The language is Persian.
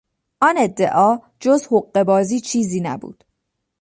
آن ادعا جز حقهبازی چیزی نبود.